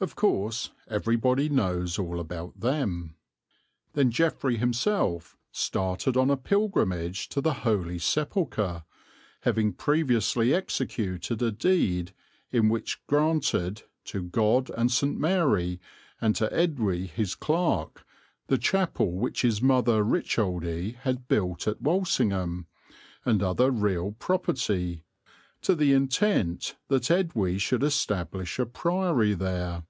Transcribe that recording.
(Of course everybody knows all about them!) Then Geoffrey himself started on a pilgrimage to the Holy Sepulchre, having previously executed a deed in which granted "to God and St. Mary, and to Edwy, his clerk," the chapel which his mother Richoldie had built at Walsingham, and other real property, to the intent that Edwy should establish a priory there.